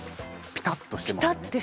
ピタッてしてますね